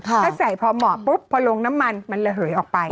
ถ้าใส่พอเหมาะปุ๊บพอลงน้ำมันมันระเหยออกไป